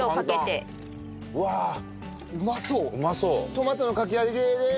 トマトのかき揚げです。